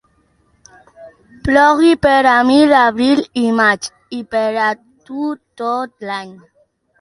Plogui per a mi abril i maig i per a tu tot l'any.